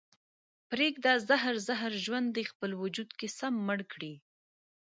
پرېږده زهر زهر ژوند دې خپل وجود کې سم مړ کړي